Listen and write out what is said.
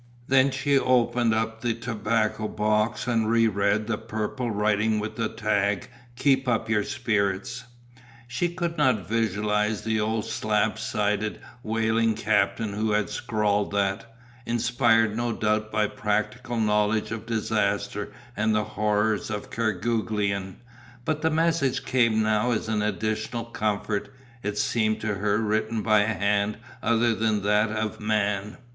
Then she opened the tobacco box and re read the purple writing with the tag "keep up your spirits." She could not visualize the old slab sided whaling captain who had scrawled that, inspired no doubt by practical knowledge of disaster and the horrors of Kerguelen, but the message came now as an additional comfort, it seemed to her written by a hand other than that of man.